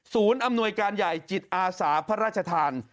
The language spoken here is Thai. อำนวยการใหญ่จิตอาสาพระราชทาน